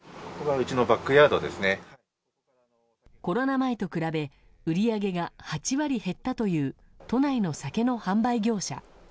コロナ前と比べ売り上げが８割減ったという都内の酒の販売業者。